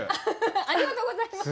ありがとうございます！